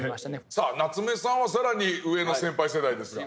さあ夏目さんは更に上の先輩世代ですが。